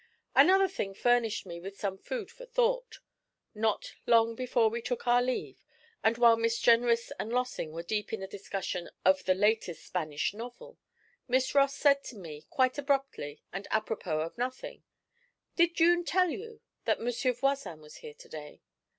Another thing furnished me with some food for thought: Not long before we took our leave, and while Miss Jenrys and Lossing were deep in the discussion of the latest Spanish novel, Miss Ross said to me, quite abruptly, and apropos of nothing: 'Did June tell you that Monsieur Voisin was here to day?'